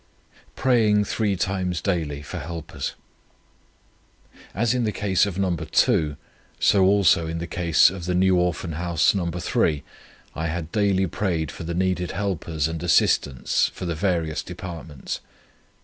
PRAYING THREE TIMES DAILY FOR HELPERS. "As in the case of No. 2, so also in the case of the New Orphan House No. 3, I had daily prayed for the needed helpers and assistants for the various departments.